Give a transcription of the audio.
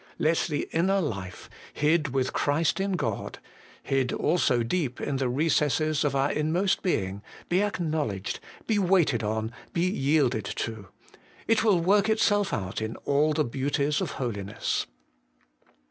Let the inner life, hid with Christ in God, hid also deep in the recesses of our inmost being, be acknowledged, be waited on, be yielded to, it will work itself out in all the beauties of holiness.